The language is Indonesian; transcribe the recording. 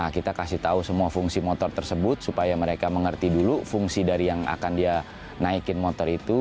kita kasih tahu semua fungsi motor tersebut supaya mereka mengerti dulu fungsi dari yang akan dia naikin motor itu